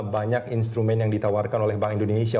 banyak instrumen yang ditawarkan oleh bank indonesia